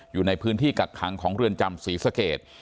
อยู่ในพื้นที่กักขังของเรือนจำศรีสเกต